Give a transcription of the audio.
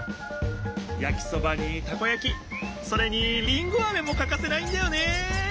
やきそばにたこやきそれにりんごあめもかかせないんだよね。